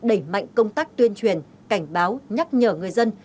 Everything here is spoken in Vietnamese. đẩy mạnh công tác tuyên truyền cảnh báo nhắc nhở người dân